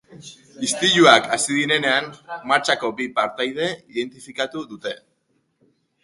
Istiluak hasi direnean, martxako bi partaide identifikatu dute.